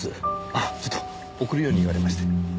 あっちょっと送るように言われまして。